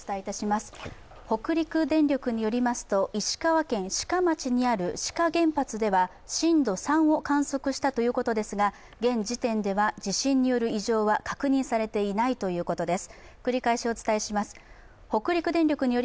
北陸電力によりますと石川県志賀町にある志賀原発では震度３を観測したということですが現時点では地震による異常は確認されていないということです。